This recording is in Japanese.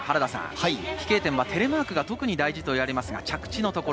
飛型点はテレマークが特に大事と言われますが、着地のところ。